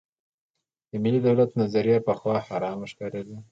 د ملي دولت نظریه پخوا حرامه ښکارېده.